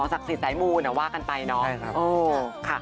สักศิษย์สายมู่นอะว่ากันไปเนอะเฮ้ย